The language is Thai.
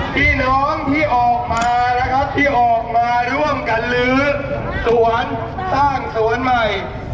พี่น้องที่ออกมานะครับที่ออกมาร่วมกันลื้อสวนสร้างสวนใหม่